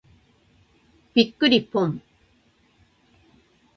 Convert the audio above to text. びっくりぽん。